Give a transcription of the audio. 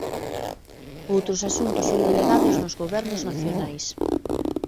Outros asuntos son delegados nos gobernos nacionais.